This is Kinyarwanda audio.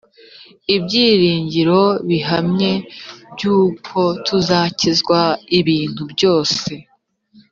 ibyiringiro bihamye by uko tuzakizwa ibintu byose